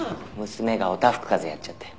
「娘がおたふくかぜやっちゃって」